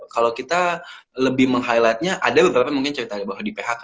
kalau kita lebih meng highlightnya ada beberapa mungkin cerita bahwa di phk